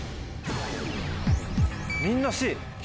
みんなＣ。